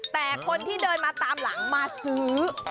แต่คนที่เดินมาตามหลังมาซื้อ